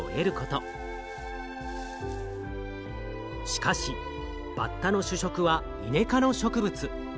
しかしバッタの主食はイネ科の植物。